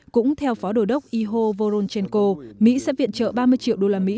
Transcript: cũng theo phó đồ đốc iho voronchenko mỹ sẽ viện trợ ba mươi triệu đô la mỹ